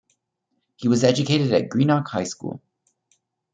He was educated at Greenock High School.